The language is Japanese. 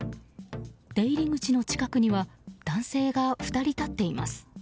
出入り口の近くには男性が２人立っています。